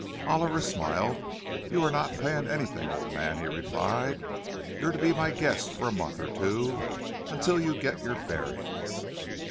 Oliver smiled. "You are not paying anything, old man," he replied. "You're to be my guests for a month or two, until you get your bearings."